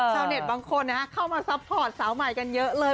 เน็ตบางคนเข้ามาซัพพอร์ตสาวใหม่กันเยอะเลย